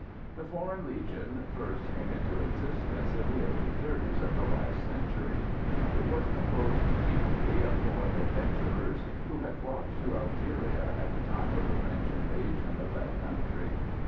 The Foreign Legion first came into existence in the early 'thirties of the last century. It was composed chiefly of foreign adventurers who had flocked to Algeria at the time of the French invasion of that country.